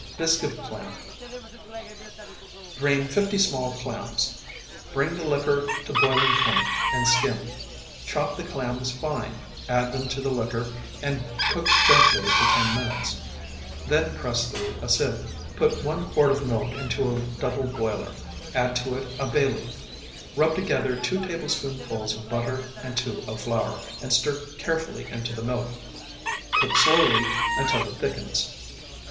BISQUE OF CLAM Drain fifty small clams. Bring the liquor to boiling point and skim. Chop the clams fine, add them to the liquor and cook gently for ten minutes. Then press through a sieve. Put one quart of milk into a double boiler; add to it a bay leaf. Rub together two tablespoonfuls of butter and two of flour, and stir carefully into the milk. Cook slowly until it thickens.